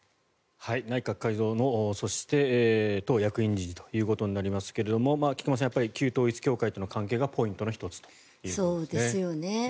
内閣改造そして党役員人事ということになりますが菊間さん、旧統一教会との関係がポイントの１つということですね。